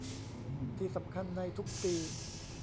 ที่สำคัญในทุกปี